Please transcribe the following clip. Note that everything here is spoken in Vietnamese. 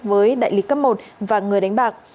với đại lý cấp một và người đánh bạc